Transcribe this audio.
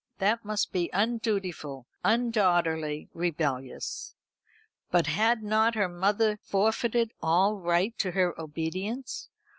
That must be undutiful, undaughterly, rebellious. But had not her mother forfeited all right to her obedience?